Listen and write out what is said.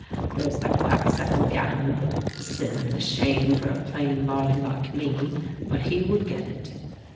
There's that black satin gown, a sin and a shame for a plain body like me, but he would git it.